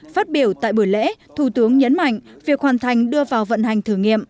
phát biểu tại buổi lễ thủ tướng nhấn mạnh việc hoàn thành đưa vào vận hành thử nghiệm